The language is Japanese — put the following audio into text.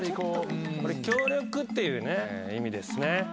これ「協力」っていうね意味ですね。